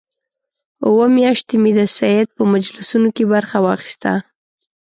اووه میاشتې مې د سید په مجلسونو کې برخه واخیسته.